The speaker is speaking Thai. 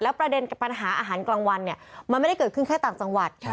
ประเด็นปัญหาอาหารกลางวันเนี่ยมันไม่ได้เกิดขึ้นแค่ต่างจังหวัด